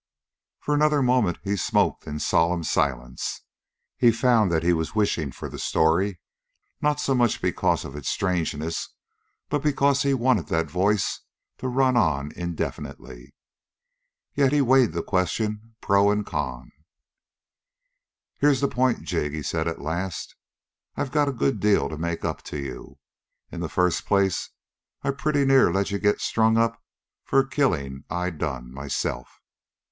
For another moment he smoked in solemn silence. He found that he was wishing for the story not so much because of its strangeness, but because he wanted that voice to run on indefinitely. Yet he weighed the question pro and con. "Here's the point, Jig," he said at last. "I got a good deal to make up to you. In the first place I pretty near let you get strung up for a killing I done myself.